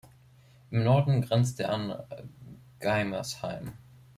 Im Norden grenzt er an Gaimersheim.